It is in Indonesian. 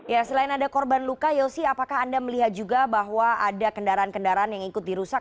ya selain ada korban luka yosi apakah anda melihat juga bahwa ada kendaraan kendaraan yang ikut dirusak